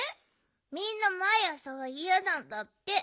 みんなまいあさはいやなんだって。